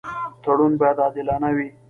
تړون باید عادلانه وي.